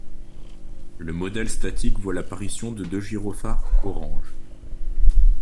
Le modèle statique voit l'apparition de deux gyrophares orange.